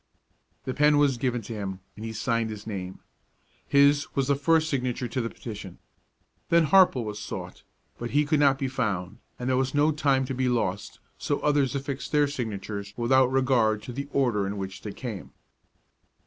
The pen was given to him, and he signed his name. His was the first signature to the petition. Then Harple was sought; but he could not be found, and there was no time to be lost, so others affixed their signatures without regard to the order in which they came.